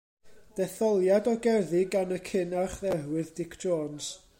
Detholiad o gerddi gan y cyn-archdderwydd Dic Jones.